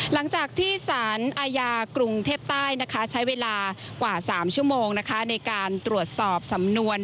หลังจากที่สารอาญากรุงเทพใต้ใช้เวลากว่า๓ชั่วโมงในการตรวจสอบสำนวน